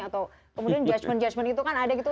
atau kemudian judgement judgement itu kan ada gitu